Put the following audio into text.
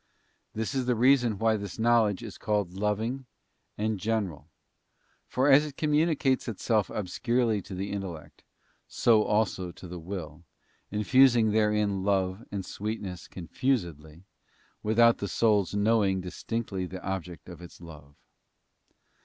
This is the reason why this knowledge is called loving and general; for as it communicates itself obscurely to the intellect, so also to the will, infusing therein love and sweetness confusedly, without the soul's knowing distinctly the object of its love.